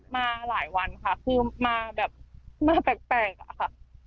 มาหลายวันค่ะคือมาแบบมาแปลกอะค่ะ